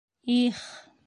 — И-их!